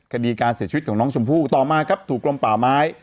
คดีการเสียชีวิตของน้องชมพู่ต่อมาครับถูกกลมป่าไม้